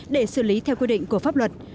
để xử lý theo quy định của pháp luật